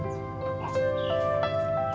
gue nggak pasti coba selanjutnya